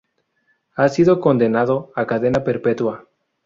Ha sido condenado a cadena perpetua.